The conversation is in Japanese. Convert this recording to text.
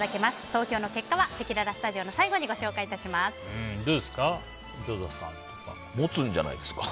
投票の結果はせきららスタジオの最後にどうですか？